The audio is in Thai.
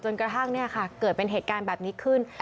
กระทั่งเกิดเป็นเหตุการณ์แบบนี้ขึ้น